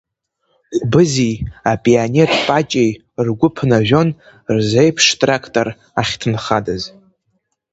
Ҟәбызи апионер Паҷеи ргәы ԥнажәон рзеиԥш трактор ахьҭынхадаз.